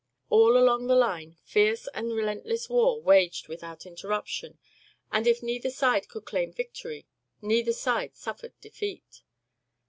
All along the line fierce and relentless war waged without interruption and if neither side could claim victory, neither side suffered defeat.